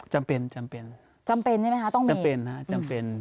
จำเป็นจำเป็นจำเป็นใช่ไหมคะต้องเป็นจำเป็นฮะจำเป็น